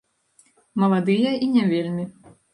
Маладыя і не вельмі.